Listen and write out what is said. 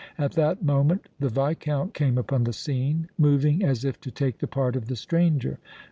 At that moment the Viscount came upon the scene, moving as if to take the part of the stranger.